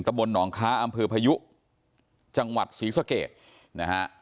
บนหนองค้าอำเภอพายุจังหวัดศรีสะเกดนะฮะ